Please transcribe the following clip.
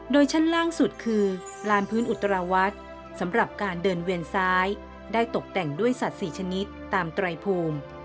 โดยชั้นล่างสุดคือลานพื้นอุตราวัดสำหรับการเดินเวียนซ้ายได้ตกแต่งด้วยสัตว์๔ชนิดตามไตรภูมิ